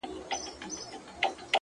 • د دښمن په ګټه بولم ,